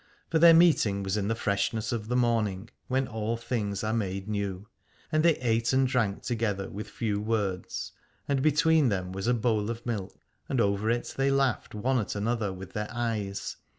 For their meeting was in the freshness of the morning, when all things are made new : and they ate and drank together with few words, and between them was a bowl of milk, and over it they laughed one at another with their eyes.